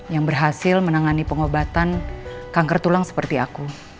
yang berhasil menangani pengobatan kanker tulang seperti aku